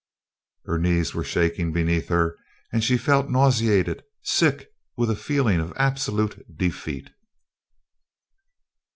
Her knees were shaking beneath her and she felt nauseated sick with a feeling of absolute defeat.